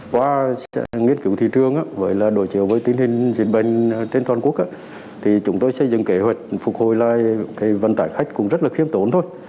qua nghiên cứu thị trường với đội chiều với tình hình dịch bệnh trên toàn quốc chúng tôi xây dựng kế hoạch phục hồi lại vận tài khách cũng rất là khiếm tốn thôi